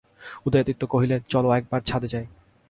উদয়াদিত্য কহিলেন, চলো একবার ছাদে যাই।